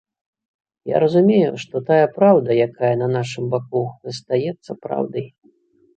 Я разумею, што тая праўда, якая на нашым баку, застаецца праўдай.